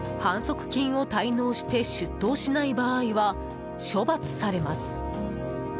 反則金を滞納して出頭しない場合は処罰されます。